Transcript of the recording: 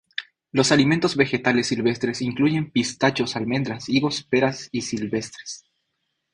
Los alimentos vegetales silvestres incluyen pistachos, almendras, higos y peras silvestres.